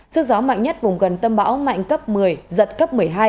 sức gió mạnh nhất vùng gần tâm bão mạnh cấp một mươi giật cấp một mươi hai